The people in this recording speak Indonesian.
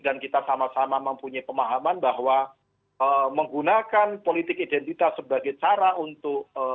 dan kita sama sama mempunyai pemahaman bahwa menggunakan politik identitas sebagai cara untuk